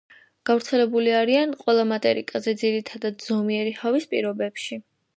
გავრცელებული არიან ყველა მატერიკაზე, ძირითადად ზომიერი ჰავის პირობებში.